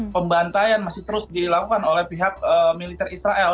pembantaian masih terus dilakukan oleh pihak militer israel